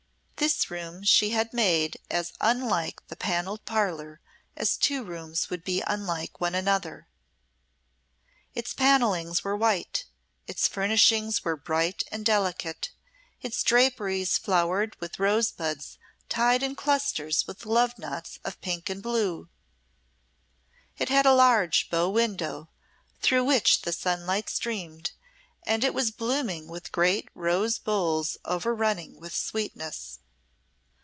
This room she had made as unlike the Panelled Parlour as two rooms would be unlike one another. Its panellings were white, its furnishings were bright and delicate, its draperies flowered with rosebuds tied in clusters with love knots of pink and blue; it had a large bow window, through which the sunlight streamed, and it was blooming with great rose bowls overrunning with sweetness.